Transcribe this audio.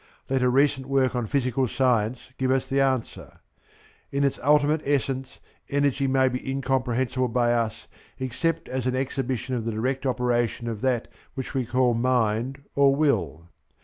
Let a recent work on physical science give us the answer; "In its ultimate essence, energy may be incomprehensible by us except as an exhibition of the direct operation of that which we call Mind or Will."